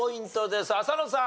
浅野さん。